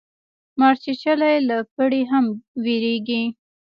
مار چیچلی له پړي هم بېريږي.